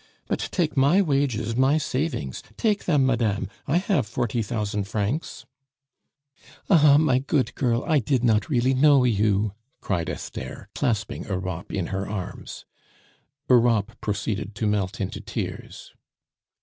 "But take my wages, my savings; take them, madame; I have forty thousand francs " "Ah, my good girl, I did not really know you!" cried Esther, clasping Europe in her arms. Europe proceeded to melt into tears.